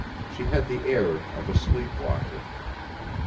She had the air of a sleep walker.